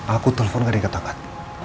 aku telepon gak diketahkan